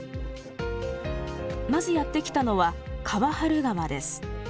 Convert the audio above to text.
まずやって来たのは河原川です。